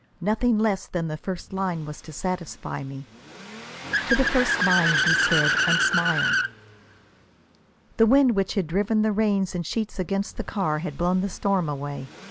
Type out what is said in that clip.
Nothing less than the first line was to satisfy me. "To the first line," he said, and smiled. The wind which had driven the rain in sheets against the car had blown the storm away.